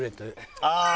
ああ！